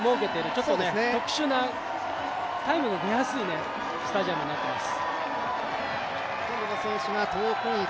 ちょっと特殊な、タイムの出やすいスタジアムになっています。